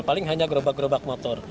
paling hanya gerobak gerobak motor